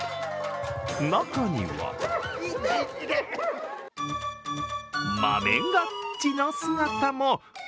中には豆ガッチの姿も。